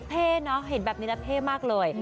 เนอะเห็นแบบนี้แล้วเท่มากเลย